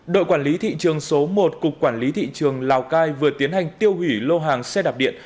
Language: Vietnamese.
đội quản lý thị trường số một cục quản lý thị trường lào cai vừa tiến hành tiêu hủy lô hàng xe đạp điện